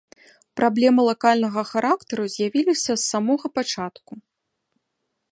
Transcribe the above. Праблемы лакальнага характару з'явіліся з самога пачатку.